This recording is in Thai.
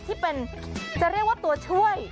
ที่จะเรียกว่าตัวช่วย